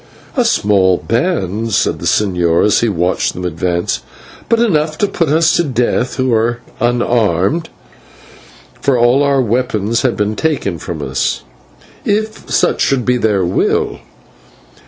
"A small band," said the señor as he watched them advance, "but enough to put us to death, who are unarmed" (for all our weapons had been taken from us), "if such should be their will."